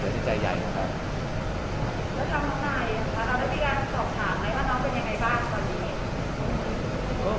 แล้วทางน้องนายแล้วได้มีการสอบถามไหมว่าน้องเป็นยังไงบ้างตอนนี้